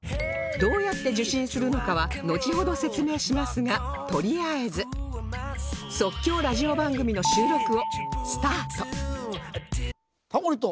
どうやって受信するのかはのちほど説明しますがとりあえず即興ラジオ番組の収録をタモリと。